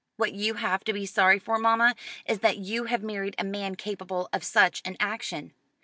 What you have to be sorry for, mamma, is that you have married a man capable of such an action."